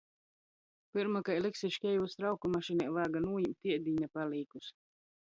Pyrma kai liksi škeivus trauku mašinē, vāga nūjimt iedīņa palīkus.